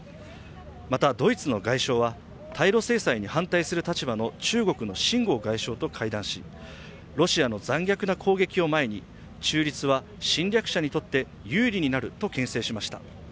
またドイツの外相は、対ロ制裁に反対する立場の中国の秦剛外相と会談しロシアの残虐な攻撃の前に侵略者にとって有利になるとけん制しました。